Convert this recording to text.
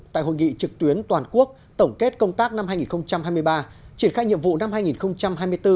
tại hội nghị trực tuyến toàn quốc tổng kết công tác năm hai nghìn hai mươi ba triển khai nhiệm vụ năm hai nghìn hai mươi bốn